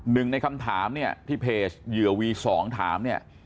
นึงในคำถามที่เพจเหยื่อวี๒ถาม